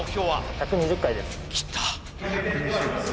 １２０回です。